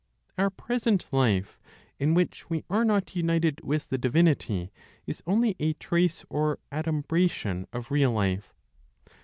Our present life, in which we are not united with the divinity, is only a trace or adumbration of real life.